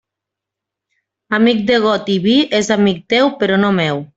Amic de got i vi és amic teu però no meu.